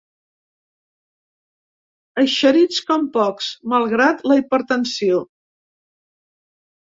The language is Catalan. Eixerits com pocs, malgrat la hipertensió.